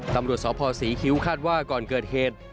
ตำรวจสพศรีคิ้วคาดว่าก่อนเกิดเหตุ